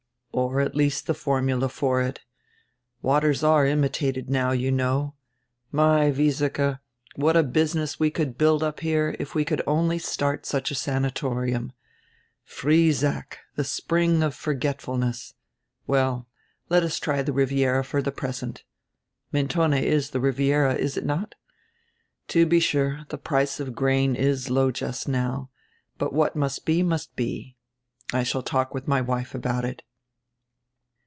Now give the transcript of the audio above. "Or at least die formula for it. Waters are imitated now, you know. My, Wiesike, what a business we could build up here if we could only start such a sanatorium! Friesack die spring of forgetfulness! Well, let us try the Riviera for the present. Mentone is the Riviera, is it not? To be sure, the price of grain is low just now, but what must be must be. I shall talk with my wife about it."